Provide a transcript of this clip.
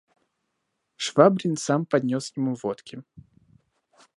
Швабрин сам поднес ему водки.